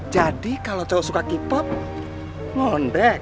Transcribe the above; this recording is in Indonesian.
jadi kalau cowok suka kipop ngondek